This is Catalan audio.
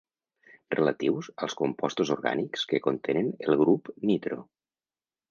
Relatius als compostos orgànics que contenen el grup nitro.